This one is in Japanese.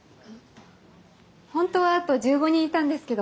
本当はあと１５人いたんですけど。